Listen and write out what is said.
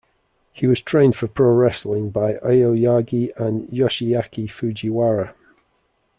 He was trained for pro wrestling by Aoyagi and Yoshiaki Fujiwara.